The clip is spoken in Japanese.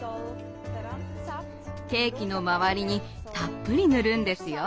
ケーキの周りにたっぷりぬるんですよ。